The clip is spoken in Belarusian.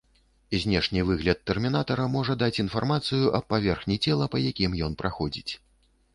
Знешні выгляд тэрмінатара можа даць інфармацыю аб паверхні цела, па якім ён праходзіць.